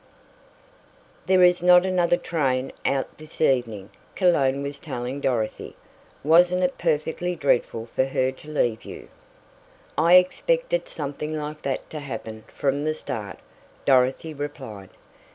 "There is not another train out this evening," Cologne was telling Dorothy. "Wasn't it perfectly dreadful for her to leave you!" "I expected something like that to happen from the start," Dorothy replied.